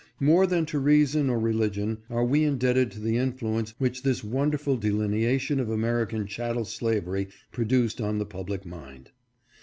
More than to reason or religion are we indebted to the influence which this wonderful delineation of American chattel slavery produced on the public mind.